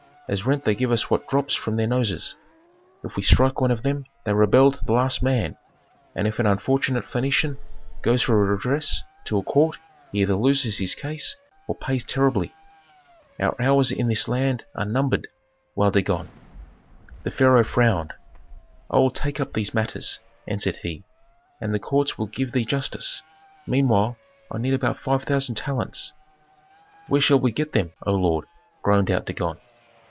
As rent they give us what drops from their noses. If we strike one of them they rebel to the last man, and if an unfortunate Phœnician goes for redress to a court he either loses his case or pays terribly. "Our hours in this land are numbered," wailed Dagon. The pharaoh frowned. "I will take up these matters," answered he, "and the courts will give thee justice. Meanwhile, I need about five thousand talents." "Where shall we get them, O lord?" groaned out Dagon.